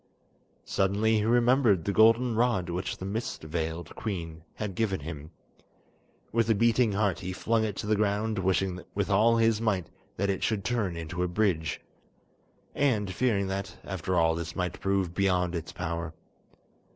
Suddenly he remembered the golden rod which the mist veiled queen had given him. With a beating heart he flung it to the ground, wishing with all his might that it should turn into a bridge, and fearing that, after all, this might prove beyond its power.